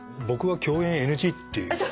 僕は共演ＮＧっていう。